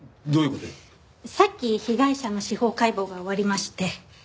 さっき被害者の司法解剖が終わりまして。